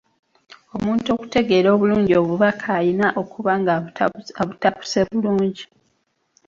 Omuntu okutegeera obulungi obubaka alina okuba ng’abutapuse bulungi.